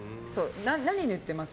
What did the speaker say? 何、塗ってます？